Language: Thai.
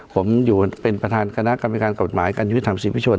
ผมอยู่เป็นบทการกรรมการกรรมการยืนภังทธิสินปิชน